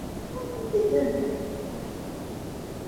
katika mkutano wa viongozi wa umoja wa afrika